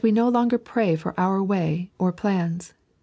no longer pray for our way of plans.